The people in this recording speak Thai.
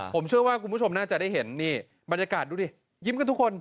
ผมเชื่อว่าคุณผู้ชมน่าจะได้เห็นนี่บรรยากาศดูดิยิ้มกันทุกคน